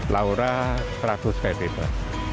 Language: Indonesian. laura seratus beda